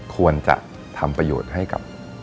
ควรจะทำประโยชน์ให้กับ